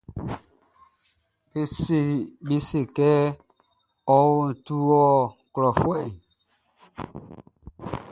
Be bisât kɛ tu ɔ ho blɔfuɛ.